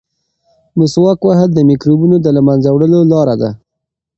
مسواک وهل د مکروبونو د له منځه وړلو لاره ده.